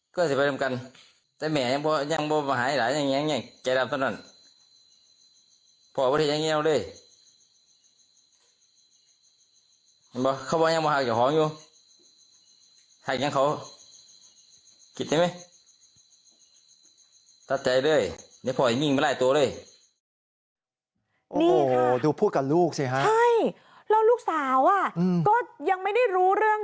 ดูพูดกับลูกสิฮะใช่แล้วลูกสาวอ่ะอืมก็ยังไม่ได้รู้เรื่อง